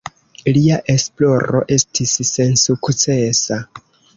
Lia esploro estis sensukcesa.